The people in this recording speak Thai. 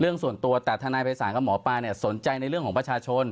เรื่องส่วนตัวแต่ทนายภัยศาลกับหมอปลาเนี่ยสนใจในเรื่องของประชาชน